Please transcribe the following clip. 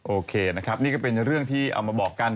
โอเคนะครับนี่ก็เป็นเรื่องที่เอามาบอกกัน